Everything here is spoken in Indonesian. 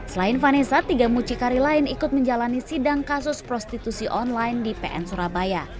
selain vanessa tiga mucikari lain ikut menjalani sidang kasus prostitusi online di pn surabaya